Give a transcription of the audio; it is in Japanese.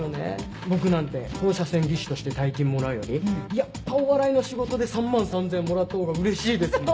僕なんて放射線技師として大金もらうよりやっぱお笑いの仕事で３万３０００円もらった方がうれしいですもん！